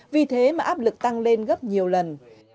vì thế mà áp lực tăng lên gấp nhiều lần